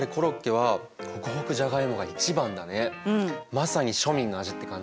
まさに庶民の味って感じ。